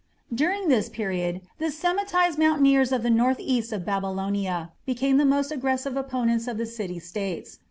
During this period the Semitized mountaineers to the north east of Babylonia became the most aggressive opponents of the city states.